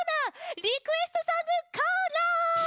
「リクエストソングコーナー」！